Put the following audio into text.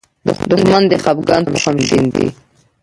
دښمن د خپګان تخم شیندي